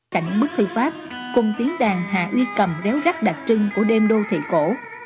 cạnh những bức thư pháp cùng tiếng đàn hà uy cầm réo rắc đặc trưng của đêm đô thị cổ